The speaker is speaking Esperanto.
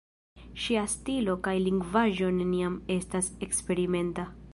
Ŝia stilo kaj lingvaĵo neniam estas eksperimenta.